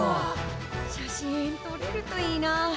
写真とれるといいなあ。